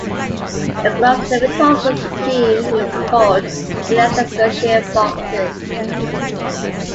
The club's limited overs team is called the Leicestershire Foxes.